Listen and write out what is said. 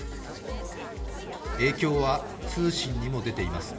影響は通信にも出ています。